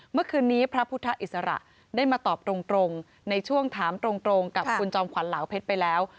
เมื่อคืนนี้พระพุทธอิสระได้มาตอบตรงในช่วงถามตรงกับคุณจอมขวัญเหลาเพชรไปแล้ว